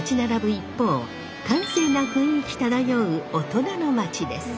一方閑静な雰囲気漂う大人の街です。